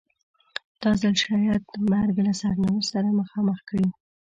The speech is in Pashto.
دا ځل شاید چې مرګ له سرنوشت سره مخامخ کړي.